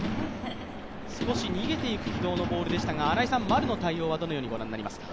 少し逃げていく軌道のボールでしたが、丸の対応はどのようにご覧になりますか。